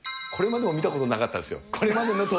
これまでも見たことなかったですよ。